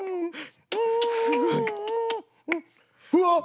うわっ！